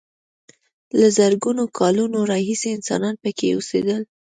له زرګونو کالونو راهیسې انسانان پکې اوسېدل.